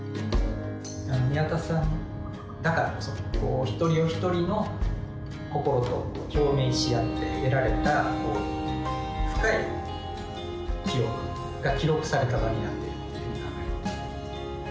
庭田さんだからこそお一人お一人の心と共鳴し合って得られた深い記憶が記録された場になっているというふうに考えることができます。